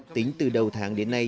tính từ đầu tháng đến nay